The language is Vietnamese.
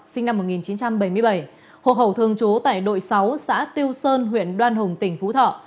phạm văn học sinh năm một nghìn chín trăm bảy mươi bảy hộ khẩu thường chú tại đội sáu xã tiêu sơn huyện đoan hùng tỉnh phú thọ